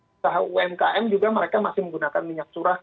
usaha umkm juga mereka masih menggunakan minyak curah